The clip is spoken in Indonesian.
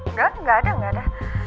nggak nggak ada nggak ada